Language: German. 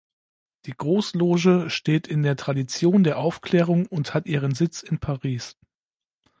Die Großloge steht in der Tradition der Aufklärung und hat ihren Sitz in Paris.